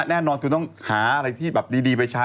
แน่นอนคุณต้องหาอะไรที่แบบดีไปใช้